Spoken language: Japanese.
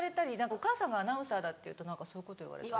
お母さんがアナウンサーだって言うとそういうこと言われたり。